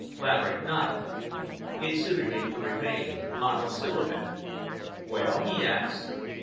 Laverick nodded. It suited him to remain monosyllabic. "Well?" he asked.